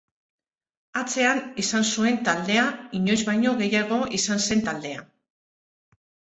Atzean izan zuen taldea inoiz baino gehiago izan zen taldea.